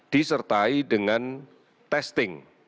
disertai dengan testing